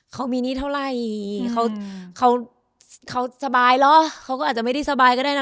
เขามีหนี้เท่าไหร่เขาเขาสบายเหรอเขาก็อาจจะไม่ได้สบายก็ได้นะ